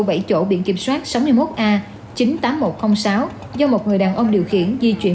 bảy chỗ biển kiểm soát sáu mươi một a chín mươi tám nghìn một trăm linh sáu do một người đàn ông điều khiển di chuyển